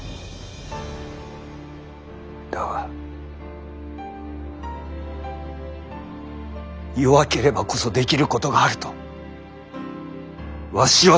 だが弱ければこそできることがあるとわしは信じる。